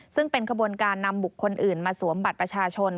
ซึ่งเป็นขบวนการนำบุคคลอื่นมาสวมบัตรประชาชน